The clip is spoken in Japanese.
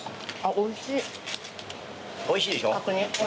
おいしいでしょ。